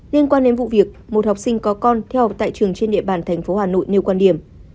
liên quan đến vụ việc một học sinh có con theo học tại trường trên địa bàn tp hà nội nêu quan điểm